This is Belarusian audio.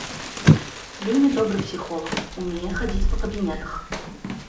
Вельмі добры псіхолаг, умее хадзіць па кабінетах.